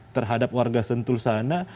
terhadap warga sentul sana